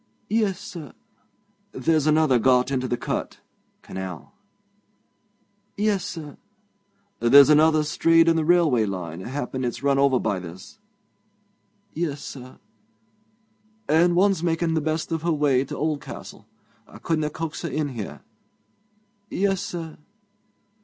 'Yes, sir.' 'There's another got into th' cut [canal].' 'Yes, sir.' 'There's another strayed on the railway line happen it's run over by this.' 'Yes, sir.' 'And one's making the best of her way to Oldcastle. I couldna coax her in here.' 'Yes, sir.'